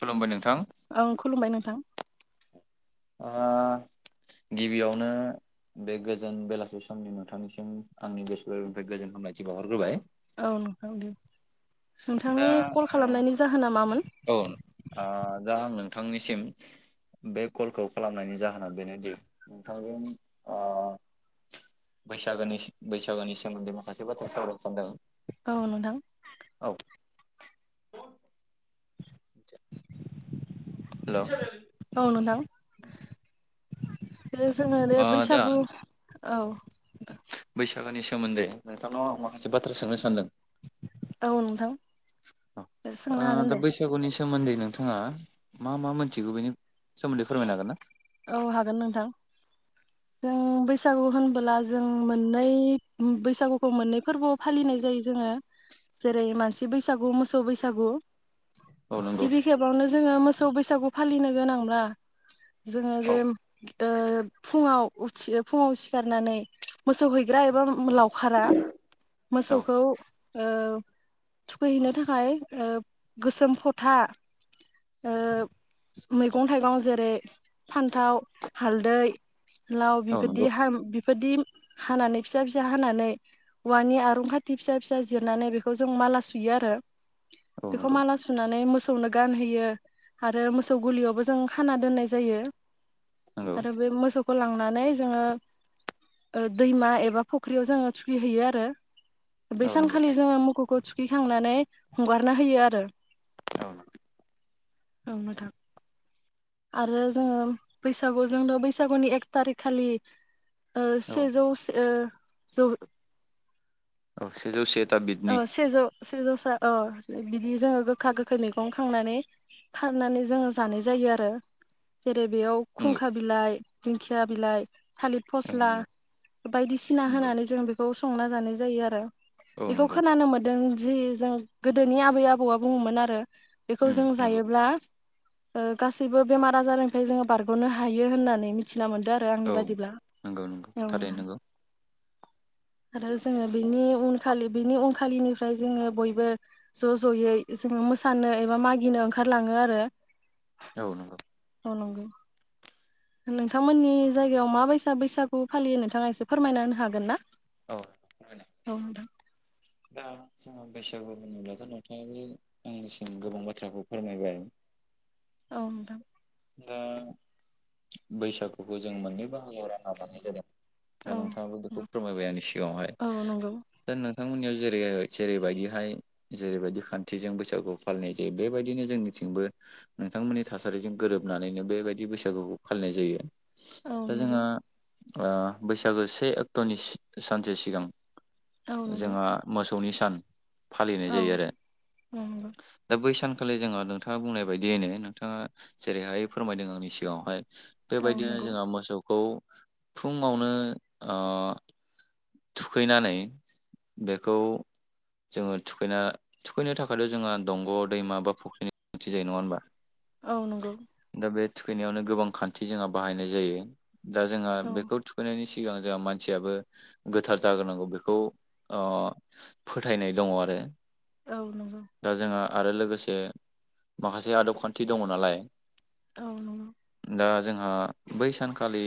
खुलुमबाय नोंथां। ओं खुलुमबाय नोंथां गिबियावनो बे गोजोन बेलासि समनि नोंथांनिसिम आंनि गोसो गोरबोनिफ्राय गोजोन हामलायथि बावहरग्रोबाय औ [unintelligible] दा नोंथांनि कल खालामनायनि जाहोना मामोन औ आ जा नोंथांनिसिम बे कलखौ खालामनायनि जाहोना बेनोदि नोंथांजों ओ बैसागोनि बैसागोनि सोमोन्दै माखासे बाथ्रा सावरायनो सानदों। औ नोंथां। औ। [inaudible] हेल' औ नोंथां। दायो जोङो बे ओ दा बैसागु औ। बैसागोनि सोमोन्दै नोंथांनाव आं माखासे बाथ्रा सोंनो सानदों। औ नोंथां ओ सोंनो दा हागोन दे। बैसागुनि सोमोन्दै नोंथाङा मा मा मिथिगौ बेनि सोमोन्दै फोरमायनो हागोन ना? औ हागोन नोंथां। जों बैसागु होनबोला जों मोननै बैसागुखौ मोननै फोरबोआव फालिनाय जायो जोङो जेरै मानसि बैसागु, मोसौ बैसागु। औ नंगौ। गिबि खेबावनो जों जोङो मोसौ बैसागु फालिनो गोनांब्ला जोङो औ जे ओ फुङाव उथि फुङाव सिखारनानै मोसौ हैग्रा एबा लावखारा औ मोसौखौ ओ थुखैहैनो थाखाय ओ गोसोम फथा ओ मैगं थाइगं जेरै फान्थाव, हालदै लाव औ नंगौ बिफोरदि हा बि बेफोरदि हानानै फिसा फिसा हानानै औवानि आरं खाथि फिसा फिसा जिरनानै बेखौ जों माला सुयो आरो औ बेखौ नंगौ माला सुनानै मोसौनो गानहोयो आरो मोसौ गलियावबो जों खाना दोननाय जायो। नंगौ आरो बे मोसौखौ लांनानै जोङो ओ दैमा एबा फुख्रियाव जोङो थुखि हैैयो आरो। बे औ नंगौ सानखालि जोङो मो सौखौ थुखैखांनानै हगारना होयो आरो। औ औ नोंथां। आरो जोङो बैसागुजोंनो बैसागुनि एक थारिक खालि ओ औ सेजौ ओ जौ औ सेजौ से। अ सेजौ सेजौस ओ बिदि जोङो गोखा गोखै मैगं खांनानै खारनानै जोङो जानाय जायो आरो जेरै बेयाव नंगौ खुंखा बिलाइ, दिंखिया बिलाइ, थालिर औ फस्ला नंगौ बायदिसिना नंगौ होनानै जों बेखौ संना जानाय जायो आरो। औ बेखौ नंगौ खोनानो मोन्दों जि जों गोदोनि आबै आबौआ बुङोमोन आरो बेखौ उम जों नंगौ जायोब्ला ओ गासैबो बेमार आजारनिफ्राय जोङो बारग'नो हायो होननानै मिथि ना मोनदों आरो आंनि औ बादिब्ला। नंगौ नंगौ औ थारैनो नोंथां, नंगौ आरो जोङो बेनि उन खालि बिनि उनखालिनिफ्राय जोङो बयबो ज' ज'यै जों मोसानो एबा मागिनो ओंखारलाङो आरो। औ नंगौ। औ नंगौ। नोंथांमोननि जायगायाव माबाइसा बैसागु फालियो नोंथाङा एसे फोरमायना होनो हागोन ना? औ औ नोंथां [unintelligible] दा जोंहा बैसागु होनोब्लाथ' नोंथाङानो आंनिसिम गोबां बाथ्राखौ फोरमायबाय। औ नोंथां। दा बैसागुखौ जों मोननै बाहागोआव रानना लानाय जादों। दा औ नोंथाङाबो बेखौ फोरमायबाय आंनि सिगाङावहाय औ नंगौ दा नों नोंथांमोननियाव जेरै जेरैबायदिहाय जेरैबायदि खान्थिजों बैसागु फालिनाय जायो बेबायदिनो जोंनिथिंबो नोंथांमोननि थासारिजों गोरोब नानैनो बेबायदि बैसागुखौ फालिनाय जायो। औ दा नंगौ जोंहा ओ बैसागो से अक्ट'नि सानसे सिगां औ नंगौ जोंहा मोसौ नि सान फालिनाय औ जायो आरो नंगौ दा बै सान खालि जोंहा नोंथाङा बुंनाय बायदियैनो नोंथाङा जेरैहाय फोरमायदों आंनि सिगाङावहाय औ बेबायदिनो नंगौ जोंहा मोसौखौ फुङावनो ओ थुखैनानै बेखौ जोङो थुखैना थुखैनो थाखायथ' जोंहा दंग' दैमा बा फुख्रिनि गोनांथि जायो नङा होबा औ नंगौ थुखैनायावनो गोबां खान्थि जोंहा बाहायनाय जायो। दा जोंहा औ बेखौ थुखैनायनि सि सिगां जोंहा मानसियाबो गोथार जाग्रोनांगौ बेखौ ओ फोथायनाय दङ आरो। औ नंगौ दा जोंहा आरो लोगोसे माखासे आदब खान्थि दङ नालाय औ नंगौ दा जोंहा बै सानखालि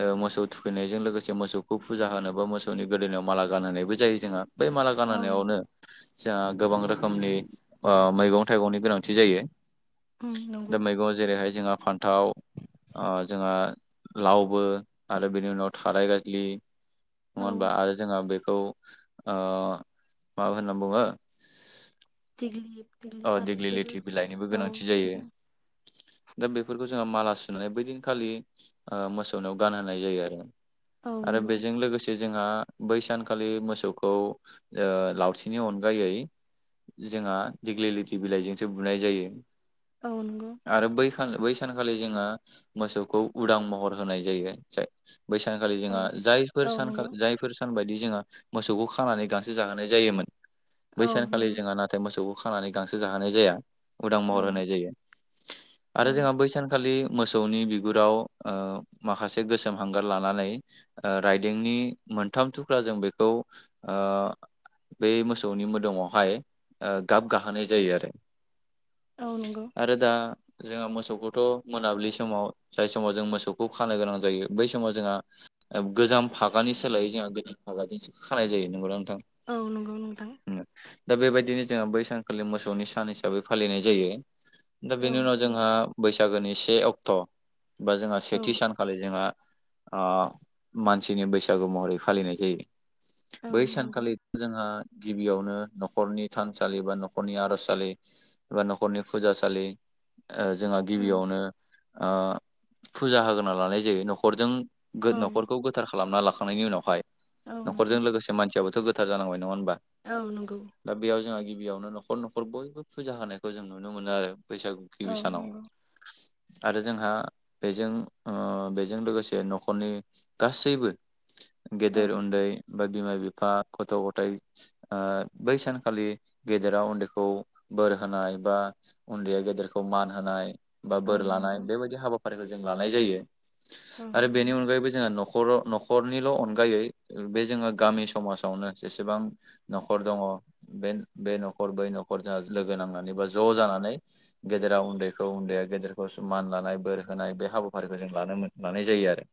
ओ मोसौ थुखैनायजों लोगोसे मोसौखौ फुजा होनो बा मोसौनि गोदोननिायाव माला गानहायबो जायो जोंहा। बै माला औ नंगौ गाननायावनो जोंहा गोबां रोखोमनि ओ मैगं थाइगंनि गोनांथि जायो। उम नंगौ दा मैगंवाव जेरै हाय जोंहा फान्थाव ओ जोंहा लावबो आरो बेनि उनाव थाराय गाज्लि नङा औ होनबा आरो जोंहा बे खौ मा ओ होनना बुङो ओम अ दिग्लि लिथि बिलाइनिबो गोनांथि जायो। दा बेफोरखौ जोङो माला सुनानै बैदिनखालि ओ मोसौनाव गानहोनाय जायो आरो। औ आरो नंगौ बेजों लोगोसे जोंहा बै सानखालि मोसौखौ ओ लावथिनि अनगायै जोंहा दिग्लिलिटि बिलाइजोंसो बुनाय जायो। औ नंगौ आरो बै बै सानखालि जोङो मोसौखौ उदां महर होनाय जायो। बैसानखालि औ जोंहा जायफोर औ सानखा नंगौ जायफोर सान बायदि जोंहा मोसौखौ खानानै गांसो जाहोनाय जायोमोन औ बैसानखालि नंगौ जोंहा नाथाय मोसौ औ खानानै गांसो जाहोनाय जाया। उदां औ महर होनाय जायो आरो औ जोंहा बैसानखालि मोसौनि बिगुराव माखासे गोसोम हांगार लानानै राइदिंनि मोनथाम थुख्रााजों बेखौ बे मोसौनि मोदोमावहाय गाब गाहोनाय जायो आरो औ नंगौ आरोदा जोंहा मोसौखौथ' मोनाबिलि समाव जाय समाव जों मोसौखौ खानो गोनां जायो बै समाव जोंहा गोजाम फागानि सोलायै जोंहा गोजान फागाजोंसो खानाय जायो नंगौदां औ नंगौ नोंथां। दा बेबायदिनो जोंहा बैसानखालि मोसौनि सान हिसाबै फालिनाय जायो दा औ बेनि उनाव जोंहा बैसाग बैसागोनि से अक्ट बा जोंहा औ सेथि सानखालि जोंहा आ मानसिनि बैसागु महरै फालिनाय जायो औ बै नंगौ सानखालि जोंहा गिबियावनो नखरनि थानसालि बा नखरनि आरजसालि बा नखरनि फुजासालि जोंहा औ गिबियावनो ओ फुजा होग्रोना लानाय जायो नखरजों। औ नखरखौ गोथार खालामनी खालामना लाखांनायनि उनावहाय औ नखरजों नंगौ लोगोसे मानसियाबोथ गो थार जानांबाय हीनबा। औ नंगौ दा बेयाव जोंहा गिबियावनो नखर नखर बयबो फुजा होनायखौ जों नुनो मोनो आरो बैसागुनि गि औ सानाव। नंगौ आरो जोंहा बेजों ओ बेजों लोगोसे नखरनि गासैबो औ गेदेर उन्दै बा बिमा बिफा बिफा गथ गथाइ ओ बैसान खालि गेदेरा उन्दैखौ बोर होनाय बा उन्दैया गेदेरखौ मान होनाय बा औ बोर लानाय नंगौ बेबायदि हाबा फारिखौ जों लानाय जायो। औ आरो बेनि अनगायैबो जोंहा नखर नखर नखरनिल अनगायै बे जोङो गामि समाजावनो जेसेबां नखर दङ। बे बे नखर बै नखर जोंहा लोगो नांनानै बा ज' जानानै गेदेरा उन्दैखौ उन्दैया गेदेरखौ मान लानाय बोर होनाय बे हाबाफारिखौ जों लानो लानाय जायो आरो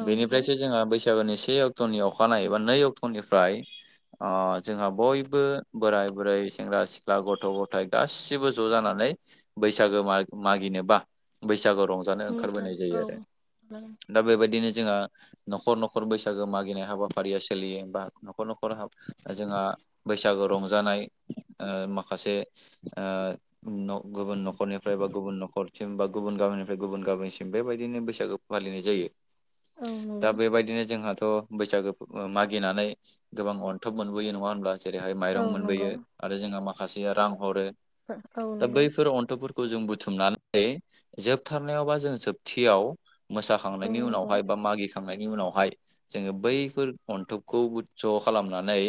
औ नंगौ बेनिफ्रायसो जोंहा बैसागुनि से अक्टनि अखानाय एबा नै अक्टनिफ्राय ओ जोंहा बय बो बोराय बुरै सेंग्रा सिख्ला गथ' गथाय गासिबो ज' जानानै बैसागो माग मागिनोबा बैसागु रंजानो मोसा ओंखारबोनाय जायो औ आरो नंगौ दा बेबायदिनो जोंहा न'खर न'खर बैसागो मागिनाय हाबाफारिया सोलियो बा न'खर न'खर जोंहा बैसागो रंजानाय ओ माखासे ओ न' गुबुन न'खरनिफ्राय बा गुबुन न'खरसिम बा गुबुन गामिनिफ्राय गुबुन गामिनिसिम बेबायदिनो बैसागो फालिनाय जायो। औ दा नंगौ बेबायदिनो जोंहाथ' बैसागो मागिनानै गोबां अनथोब मोनबोयो नङा होनब्ला जेरैहाय औ माइरं नंगौ मोनबोयो आरो जोंहा मा खासेया रां हरो। औ दा नंगौ बैफोर अन्थोबफोर खौ जों बुथुमनानै जोबथारनायाव बा जों जोबथियाव औ मोसाखांनायनि नंगौ उनावहाय बा मागि थांनायनि उनावहाय जोङो बैफोर अन्थोब खौ बुद्ध खालामनानै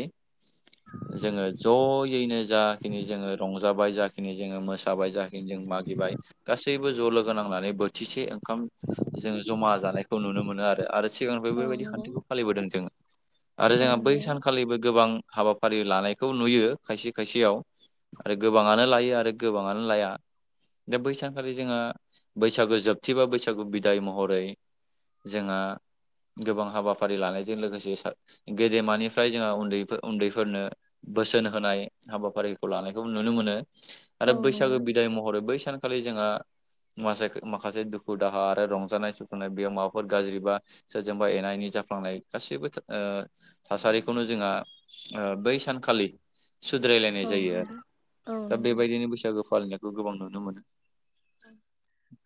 जोङो ज'यैनो जाखिनि जोङो रंजाबाय जाखिनि जोङो मोसाबाय जाखिनि जों मागिबाय गासैबो ज' लोगो नांनानै बोथिसे ओं खाम जोङो जमा जानायखौ नुनो मोनो आरो आरो सिगांनिफ्राय औ बेबायदि नंगौ खान्थिखौ फालिबोदों जोङो आरो औ जोंहा बै नंगौ सानखालिबो गोबां हाबा फारि लानायखौ नुयो खायसे खायसेयाव। आरो गोबाङानो लायो आरो गोबाङानो लाया दा बैसानखालि जोंहा बैसागु जोबथि बा बैसागु बिदाय महरै जोंहा गोबां हाबाफारि लानायजों लोगोसे गेदेमानिफ्राय जोंहा उन्दैफोर उन्दै फोरनो बोसोन होनाय हाबाफारिखौ लानायखौ नुनो मोनो। औ आरो बैसागो नंगौ बिदाय महरै बै सानखालि जोंहा माखसे माखासे दुखु दाहा आरो रंजानाय सुखुनाय बेयाव माबाफोर गाज्रिबा सोरजोंबा एना एनि जाफ्लांनाय गासैबो था ओ थासारिखौनो जोंहा ओ बै सानखालि सुद्रायलायनाय जायो आरो। औ दा नंगौ बेबायदिनो बैसागु फालिनाय खौ गोबां नुनो मोनो।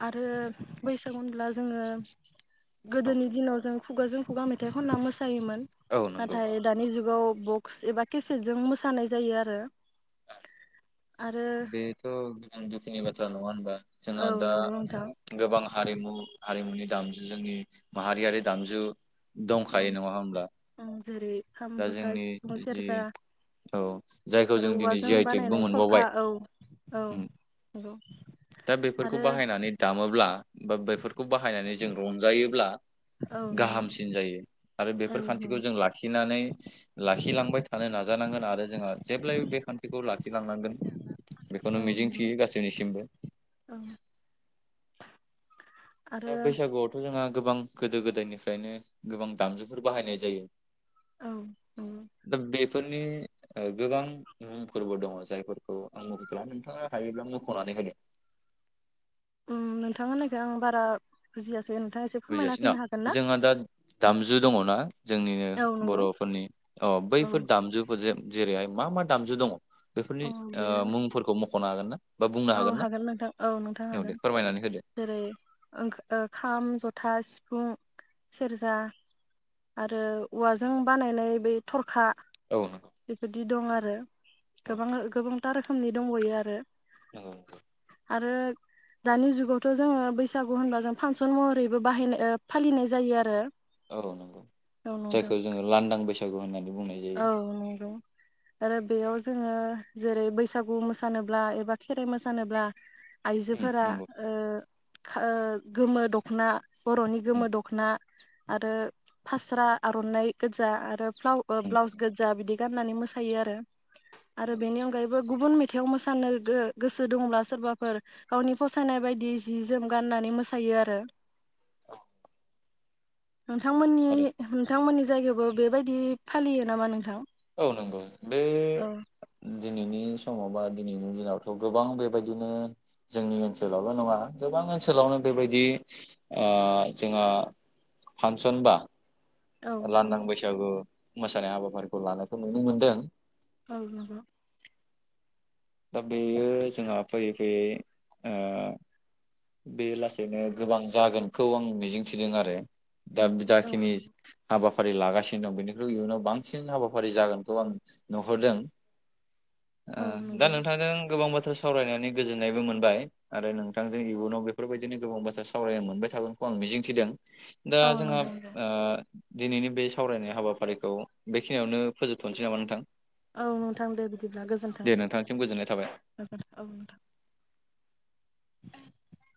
आरो बैसागु ब्ला जोङो औ गोदोनि दिनाव जों खुगाजों खुगा मेथाइ खनना मो जायोमोन। औ नंगौ नाथाय दानि जुगाव बक्स एबा केसेटजों मोसानाय जायो आरो आरो बेथ' गोबां दु खुनि बाथ्रा नङा होनबा। जोंहा औ दा नंगौ नोंथां गोबां हारिमु हारिमुनि दामजु जोंनि माहारियारि दामजु औ दंखायो नङा होमब्ला? ओं जेरै खाम दा जथा जोंनि सिफुं जि सेरजा औ जायखौ आरो जों दिनै औवाजों जि आइ बानायनाय टेगबो थरखा मोनबावबाय। औ औ। नंगौ। दा बेफोरखौ आरो बाहायनानै दामोब्ला बा बेफोरखौ बाहायनानै जों रंजायोब्ला औ नंगौ गाहामसिन जायो आरो औ बेफोर नंगौ खान्थिखौ जों लाखिनानै लाखिलांबाय थानो नाज जानांगोन आरो जोंहा जेब्लायबो बेखान्थिखौ लाख लाखिलांनांगोन, बेखौनो मिजिंथियो गासैनिसिमबो। ओं। दा बैसागुआवथ' जोंहा गोबां गोदो गोदायनिफ्रायनो गोबां दामजुफोर बाहायनाय जायो। औ नंगौ दा बे बेफोरनि गोबां मुंफोरबो दङ' जायफोरखौ आं मुख'थला नोंथाङा हायोब्ला मुंख'नानै होदों। उम नोंथां होन्नायखौ आं बारा बुजियासैनो। बुजायासै न? जोंहा दा दामजु दङ'ना जोंनिनो औ नंगौ बर'फोरनि अ' औ बैफोर दामजुफोरजों जेरैहाय मा मा दामजु दङ'? बेफोरनि औ बे मुंफोरखौ म'ख। खना होननो? औ हागोन नोंथां औ नोंथां दे हागोन, फोरमायनानै होदो जेरै ओंखो-ओ-खाम, जथ था, सिफुं, सेरजा आरो औवाजों बानायनाय बे थरखा औ नंगौ बेबायदि दं आरो गोबां गोबां था रोखोमनि दंब'यो आरो नोंगौ नोंथ' आरो दानि जुगावथ' जोङो बैसागु होनबा जों फांसन महरैबो बाहायनाय ओ फालिनाय जायो आरो। औ नंगौ, औ नोंथां जायखौ जोङो लांदां बैस आगु होन्नानै औ नंगौ आरो बेयाव जोङो जेरै बैसागु मोसानोब्ला एबा खेराइ मोसानोब्ला उम आइजोफोरा नंगौ ओ खो गोमो दख'ना बर'नि उम गोमो दख'ना आरो फास्रा आर'नाइ गोजा आरो फ्लाव नंगौ ब्लाउस गोजा बिदि गाननानै मोसायो आरो आरो बेनि अनगायैबो गुबुन हथायाव मोसानो गोसो दंब्ला सोरबाफोर गावनि फसायनाय बायदि जि जोम गाननानै मोसायो आरो नोंथांमोननि आरो नोंथांमोननि जायगायावबो बेबायदि फालियो नामा नोंथां औ नंगौ बे औ दिनैनि समाव बा दिनैनि दिनावथ' गोबां बेबायदिनो जोंनि ओनसोलावल' नङा गोबां ओनसोलावनो बेबायदि ओ जोंहा फांसन बा औ लांदां नंगौ बैसागु मोसानाय हाबाफारिखौ लानायखौ नुनो मोनदों औ नंगौ दा बेयो जोंहा फैयै फैयै ओ बे लासैनो गोबां जागोनखौ आं मिजिंथिदों आरो दा औ जाखनि हाबा हाबाफारि लागासिनो दं बेनिख्रुइ इयुनाव बांसिन हाबाफारि जागोनखौ आं नुहरदों ओ औ दा नंगौ नोंथांजों गोबां बाथ्रा सावरायनानै गोजोननायबो मोनबाय आरो नोंथां जों इयुनाव बेफोरबायदिनो गोबां बाथ्रा सावरायनो मोनबाय थागोनखौ आं मिजिंथिदों दा औ जोंहा नोंथां दे ओ दिनैनि बे सावरायनाय हाबाफारिखौ बेखिनियावनो फोजोबथनोसै नामा नोंथां ओं नोंथां दे बिदिब्ला गोजोन्थों दे नोंथांसिम गोजोननाय थाबाय। गोजोन औ नोंथां [inaudible]